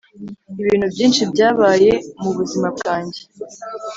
ibintu byinshi byabaye mubuzima bwanjye.